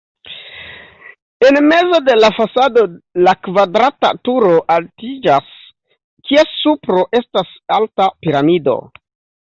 En mezo de la fasado la kvadrata turo altiĝas, kies supro estas alta piramido.